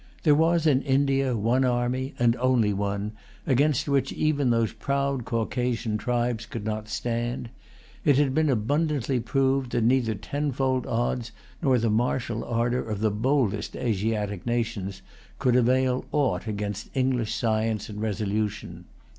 There was in India one army, and only one, against which even those proud Caucasian tribes could not stand. It had been abundantly proved that neither tenfold odds, nor the martial ardor of the boldest Asiatic nations, could avail[Pg 140] aught against English science and resolution.